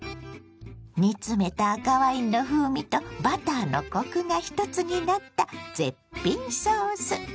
煮詰めた赤ワインの風味とバターのコクが一つになった絶品ソース。